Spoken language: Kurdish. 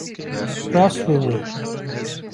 Rast rûnin.